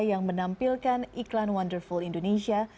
yang menampilkan iklan wonderful indonesia